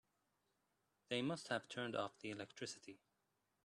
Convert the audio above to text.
They must have turned off the electricity.